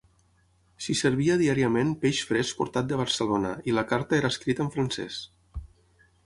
S'hi servia diàriament peix fresc portat de Barcelona i la carta era escrita en francès.